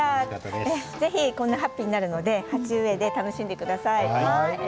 ハッピーになるのでぜひ鉢植えで楽しんでください。